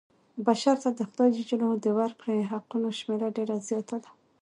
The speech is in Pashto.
بشر ته د خدای ج د ورکړي حقونو شمېره ډېره زیاته ده.